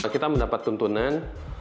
kita mendapat tuntunan